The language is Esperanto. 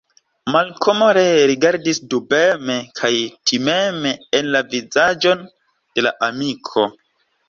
Malkomo ree rigardis dubeme kaj timeme en la vizaĝon de la amiko.